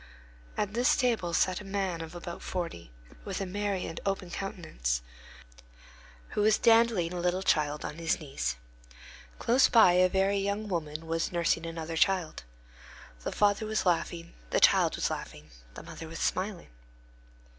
At this table sat a man of about forty, with a merry and open countenance, who was dandling a little child on his knees. Close by a very young woman was nursing another child. The father was laughing, the child was laughing, the mother was smiling.